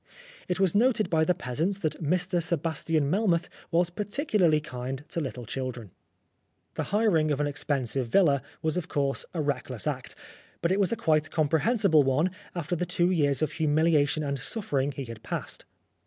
It was noted by the peasants tfiat Mr. Sebastian Melmoth was particularly kind to little children. 230 Oscar Wilde The hiring of an expensive villa was of course a reckless act, but it was a quite comprehensible one, after the two years of humiliation and suffering he had passed.